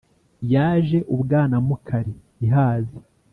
Yaje u Bwanamukari ihaze,